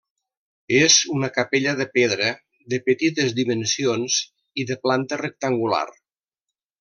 És una capella de pedra, de petites dimensions i de planta rectangular.